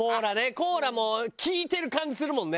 コーラも効いてる感じするもんね。